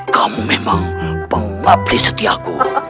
kamu memang pengumap di setiaku